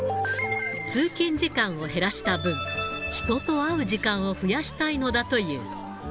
通勤時間を減らした分、人と会う時間を増やしたいのだという。